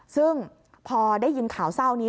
ซึ่งพอได้ยินข่าวเศร้านี้